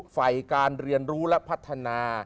ฝ่ายการเรียนรู้และพัฒนา